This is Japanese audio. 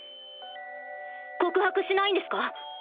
告白しないんですか？